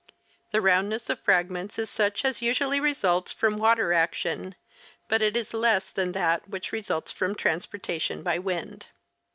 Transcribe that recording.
The roundness of fragments is such as usually results from water action, bvit it is less than that which re sults from transportation by wind.